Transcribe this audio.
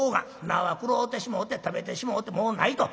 菜は食ろうてしもうて食べてしもうてもうないと。